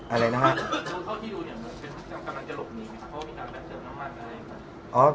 อะไรนะครับ